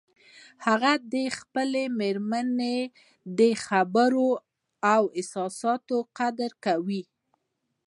هغه د خپلې مېرمنې د خبرو او احساساتو قدر کوي